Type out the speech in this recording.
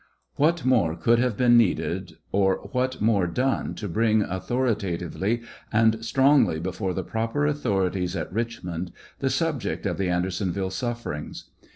What more could have been needed, or what more done, to bring authorita tively and strongly before the proper authorities at Richmond the subject of the Audersonville sufferings